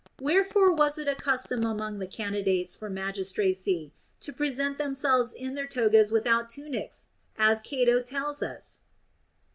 Wherefore was it a custom among the candidates for magistracy to present themselves in their togas without tunics, as Cato tells us